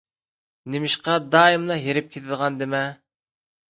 نېمىشقا دائىملا ھېرىپ كېتىدىغاندىمەن؟